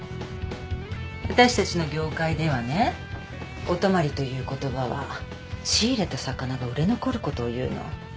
私たちの業界ではね「お泊まり」という言葉は仕入れた魚が売れ残ることを言うの。